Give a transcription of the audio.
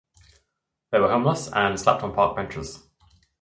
They were homeless and slept on park benches.